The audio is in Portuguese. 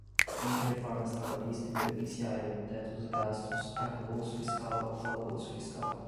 Contrarreformas trabalhista e previdenciária, teto dos gastos, arcabouço fiscal, calabouço fiscal